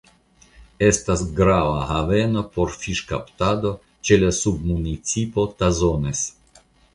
Estas grava haveno por fiŝkaptado ĉe la submunicipo Tazones.